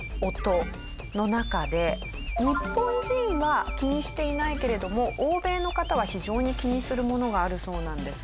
日本人は気にしていないけれども欧米の方は非常に気にするものがあるそうなんですが。